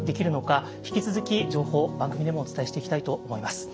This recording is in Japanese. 引き続き情報を番組でもお伝えしていきたいと思います。